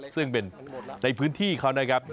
ซึ่งเป็นในพื้นที่เขานะครับ